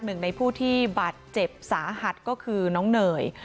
หนึ่งในผู้ที่บาดเจ็บสาหัสก็คือน้องเนย